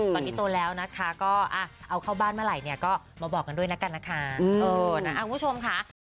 ตัวนี้โตแล้วนะคะก็เอาเข้าบ้านเมื่อไหร่เนี่ยก็มาบอกกันด้วยนักการณ์ค่ะ